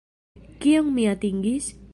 Kion mi atingis?